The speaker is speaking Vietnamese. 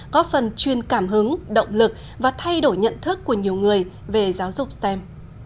có phần chuyên cảm hứng động lực và thay đổi nhận thức của nhiều người về giáo dục stem